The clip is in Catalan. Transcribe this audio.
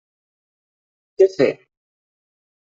Què fer?